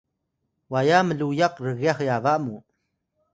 waya mluyak rgyax yaba mu